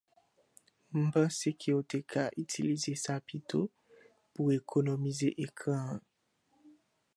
mpanse kew te ka itilize sa pito pou ekonomize ekran an